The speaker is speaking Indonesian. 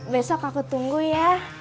besok aku tunggu ya